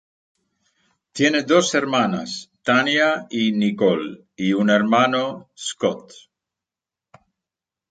Tiene dos hermanas, Tania y Nicole, y un hermano, Scott.